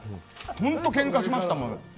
本当、けんかしましたよ。